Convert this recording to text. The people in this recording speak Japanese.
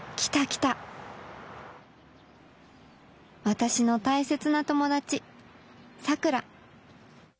私の大切な友達さくら